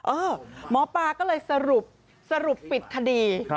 หมอปลาก็เลยสรุปสรุปปิดคดี